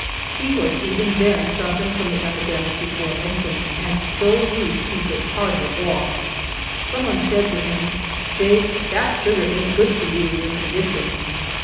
He was even then suffering from the epidemic before mentioned, and so weak he could hardly walk. Some one said to him, "Jake, that sugar ain't good for you in your condition."